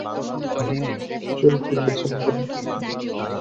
চোখ লালচে বাদামি।